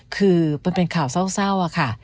คือมันเป็นข่าวเศร้าค่ะ